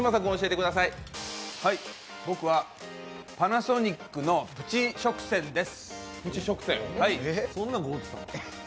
僕は、パナソニックのプチ食洗です。